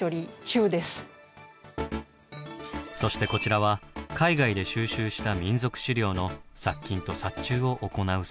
そしてこちらは海外で収集した民族資料の殺菌と殺虫を行う設備。